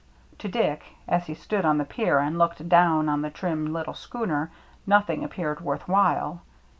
To Dick, as he stood on the pier and looked down on the trim little schooner, nothing appeared worth while.